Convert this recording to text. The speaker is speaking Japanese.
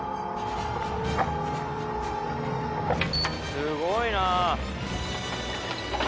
すごいな。